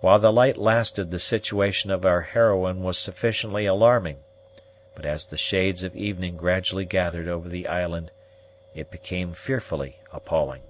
While the light lasted the situation of our heroine was sufficiently alarming; but as the shades of evening gradually gathered over the island, it became fearfully appalling.